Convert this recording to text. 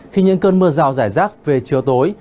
khi những cơn mưa rào rải rác về chiều tối